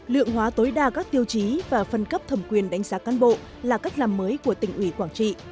lượng hóa tối đa các tiêu chí và phân cấp thẩm quyền đánh giá cán bộ là cách làm mới của tỉnh ủy quảng trị